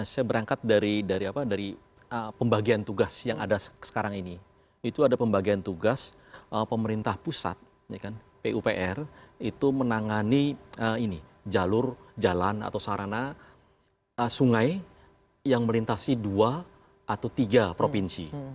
saya berangkat dari pembagian tugas yang ada sekarang ini itu ada pembagian tugas pemerintah pusat pupr itu menangani jalur jalan atau sarana sungai yang melintasi dua atau tiga provinsi